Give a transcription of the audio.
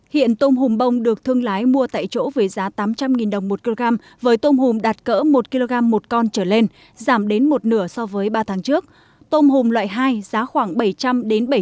hiện tôm hùm bông được thương lái mua tại chỗ phòng nhưng không có nội dung được truyền tới quý vị trong năm phút của nhịp sống kinh tế ngày hôm nay